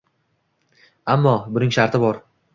Ammo... buning sharti bor!!!